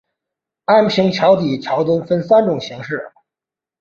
安平桥底的桥墩分三种形式。